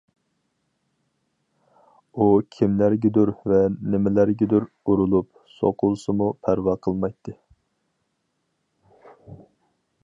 ئۇ كىملەرگىدۇر ۋە نېمىلەرگىدۇر ئۇرۇلۇپ-سوقۇلسىمۇ پەرۋا قىلمايتتى.